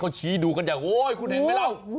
เขาชี้ดูกันอย่างโอ๊ยคุณเห็นไหมเรา